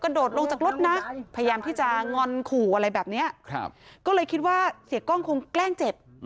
ก็เลยคิดว่าเสียกล้องคงแกล้งเจ็บ